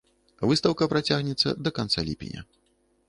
Выстаўка працягнецца да канца ліпеня.